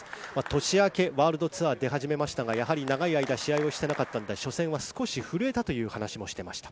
年明け、ワールドツアーに出始めましたが、やはり長い間、試合をしていなかったので、初戦は少し震えたと話していました。